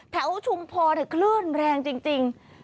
แถวชุมพอเนี่ยคลื่นแรงจริง